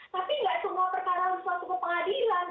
tapi gak semua perkara masuk ke pengadilan